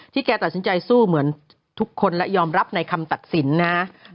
แกตัดสินใจสู้เหมือนทุกคนและยอมรับในคำตัดสินนะครับ